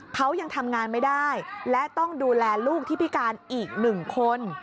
เขายังทำงานไม่ได้และต้องดูแลลูกที่พิการอีกหนึ่งคน